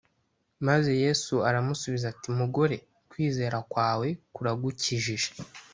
Maze Yesu aramusubiza ati Mugore kwizera kwawe kuragukijije